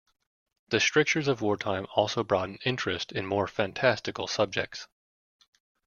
The strictures of wartime also brought an interest in more fantastical subjects.